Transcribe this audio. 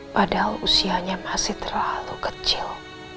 padahal usianya masih terlalu kecil